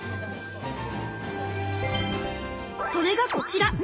それがこちら！